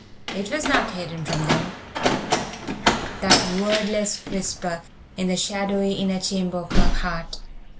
It was not hidden from them, that wordless whisper in the shadowy inner chamber of her heart.